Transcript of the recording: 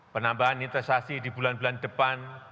penambahan investasi di bulan bulan depan